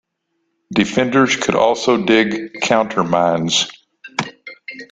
Defenders could also dig counter mines.